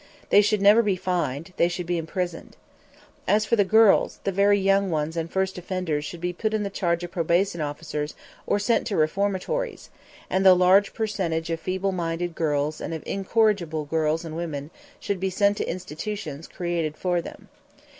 They should never be fined; they should be imprisoned. As for the girls, the very young ones and first offenders should be put in the charge of probation officers or sent to reformatories, and the large percentage of feeble minded girls and of incorrigible girls and women should be sent to institutions created for them.